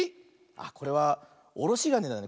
あっこれはおろしがねだね。